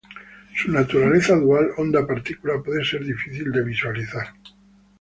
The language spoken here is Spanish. Su naturaleza dual onda-partícula puede ser difícil de visualizar.